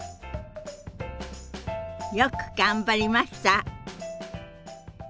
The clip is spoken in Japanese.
よく頑張りました。